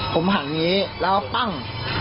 ผมหันอย่างนี้แล้วปั้ง